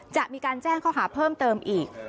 จะมีการแจ้งข้อหาเพิ่มเติมอีก